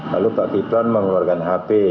lalu pak kiton mengeluarkan hp